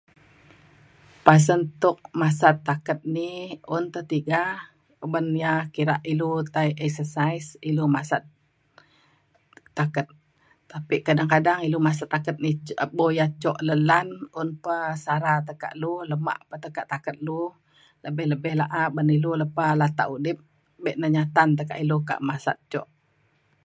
Pasen tok masat taket ni un te tiga uban ya kira ilu tai exercise ilu masat taket. Tapi kadang kadang ilu masat taket ni bok ya cuk lan lan un pe sara tekak lu lemak pe taket lu lebih lebih laa uben ilu lepa latak udip be neh nyatan tekak ilu kak masat cuk.